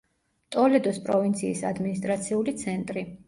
ტოლედოს პროვინციის ადმინისტრაციული ცენტრი.